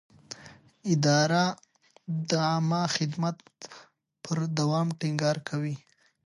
اداره د عامه خدمت پر دوام ټینګار کوي.